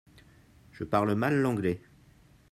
Je parle mal l'anglais.